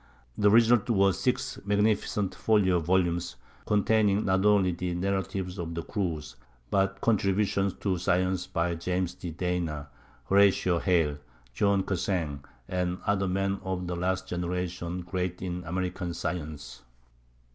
The results were six magnificent folio volumes, containing not only the narrative of the cruise, but contributions to science by James D. Dana, Horatio Hale, John Cassin, and other men of the last generation great in American science.